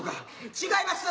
違いますぅ。